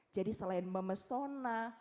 jadi selain memesona